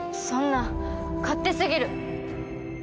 そんな勝手すぎる！